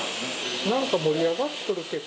なんか盛り上がっとるけど。